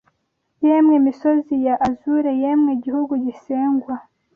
Yemwe misozi ya azure Yemwe gihugu gisengwa